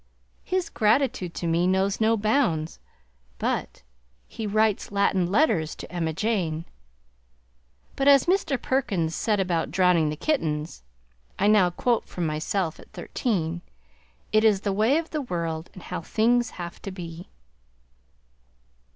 His gratitude to me knows no bounds, but he writes Latin letters to Emma Jane! But as Mr. Perkins said about drowning the kittens (I now quote from myself at thirteen), "It is the way of the world and how things have to be!"